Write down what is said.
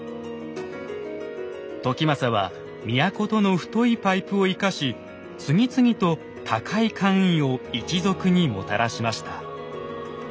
時政は都との太いパイプを生かし次々と高い官位を一族にもたらしました。